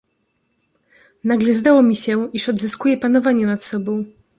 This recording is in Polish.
"Nagle zdało mi się, iż odzyskuje panowanie nad sobą."